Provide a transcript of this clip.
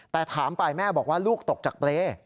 แต่ถามไปแม่บอกว่าลูกตกจากเปรย์